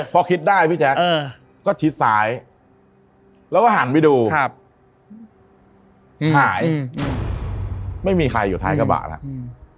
พอคิดได้พี่แจ๊คก็ชิดซ้ายแล้วก็หันไปดูครับหายไม่มีใครอยู่ท้ายกระบะแล้วอืม